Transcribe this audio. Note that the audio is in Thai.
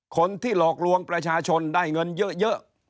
คนที่หลอกลวงประชาชนได้เงินเยอะ